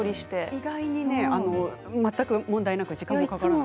意外と全く問題なく時間がかからず。